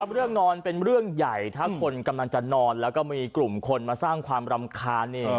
เรื่องนอนเป็นเรื่องใหญ่ถ้าคนกำลังจะนอนแล้วก็มีกลุ่มคนมาสร้างความรำคาญ